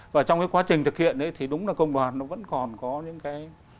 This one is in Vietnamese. và trong cái quá trình thực hiện thì đúng là công đoàn nó vẫn còn có những cái